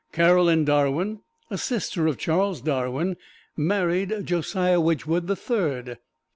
Caroline Darwin, a sister of Charles Darwin, married Josiah Wedgwood the Third.